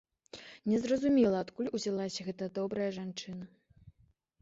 Не зразумела адкуль узялася гэта добрая жанчына.